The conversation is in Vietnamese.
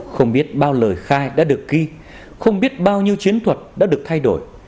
không biết bao lời khai đã được ghi không biết bao nhiêu chiến thuật đã được thay đổi